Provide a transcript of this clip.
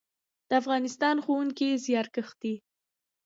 د افغانستان ښوونکي زیارکښ دي